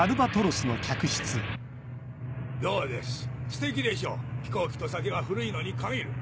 ステキでしょ飛行機と酒は古いのに限る。